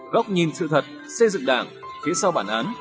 góc nhìn sự thật xây dựng đảng phía sau bản án